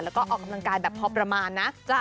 แล้วก็ออกกำลังกายแบบพอประมาณนะ